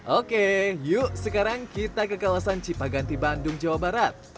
oke yuk sekarang kita ke kawasan cipaganti bandung jawa barat